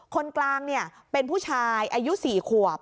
คนกลางเป็นผู้ชายอายุ๔ขวบ